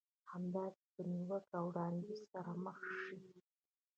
همداسې په نيوکه او وړانديز سره مخ شئ.